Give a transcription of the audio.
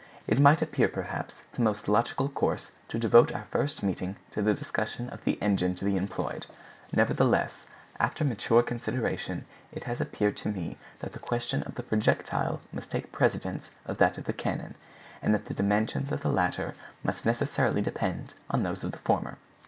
It might appear, perhaps, the most logical course to devote our first meeting to the discussion of the engine to be employed. Nevertheless, after mature consideration, it has appeared to me that the question of the projectile must take precedence of that of the cannon, and that the dimensions of the latter must necessarily depend on those of the former."